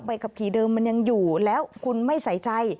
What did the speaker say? ขับขี่เดิมมันยังอยู่แล้วคุณไม่ใส่ใจ